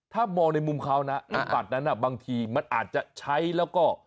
ถ้ามองในมุมเขานะไอ้บัตรนั้นบางทีมันอาจจะใช้แล้วก็